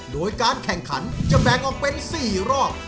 โดยการแข่งขันจะแบ่งออกเป็น๔รอบ